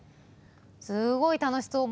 すごい楽しそう。